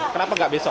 kenapa gak besok